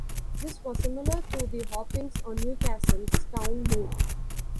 This was similar to The Hoppings on Newcastle's Town Moor.